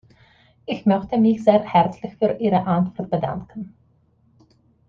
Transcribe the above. Ich möchte mich sehr herzlich für Ihre Antwort bedanken.